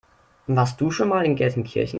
Warst du schon mal in Gelsenkirchen?